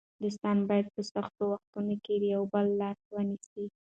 دوستان باید په سختو وختونو کې د یو بل لاس ونیسي.